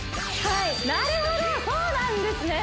なるほどそうなんですね